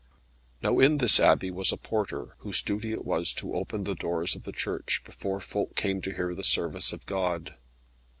Now in this Abbey was a porter, whose duty it was to open the doors of the church, before folk came to hear the service of God.